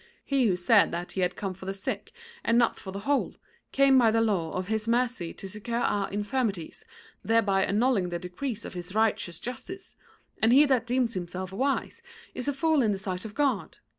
He who said that He had come for the sick and not for the whole, (4) came by the law of His mercy to succour our infirmities, thereby annulling the decrees of His rigorous justice; and he that deems himself wise is a fool in the sight of God.